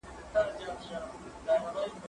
زه کولای سم لاس پرېولم!؟